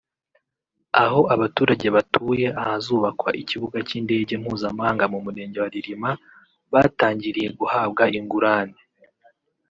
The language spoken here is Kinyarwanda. aho abaturage batuye ahazubakwa Ikibuga cy’Indege mpuzamahanga mu Murenge wa Rilima batangiriye guhabwa ingurane